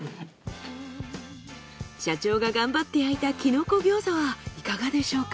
社長が頑張って焼いたキノコ餃子はいかがでしょうか。